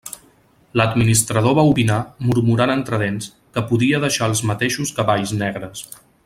L'administrador va opinar, murmurant entre dents, que podia deixar els mateixos cavalls negres.